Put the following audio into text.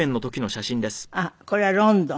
あっこれはロンドン？